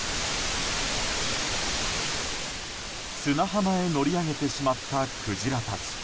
砂浜へ乗り上げてしまったクジラたち。